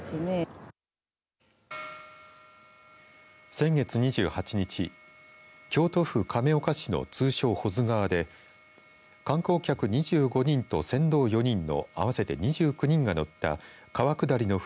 先月２８日京都府亀岡市の通称保津川で観光客２５人と船頭４人の合わせて２９人が乗った川下りの舟